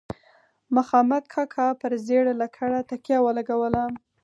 مخامد کاکا پر زیړه لکړه تکیه ولګوه.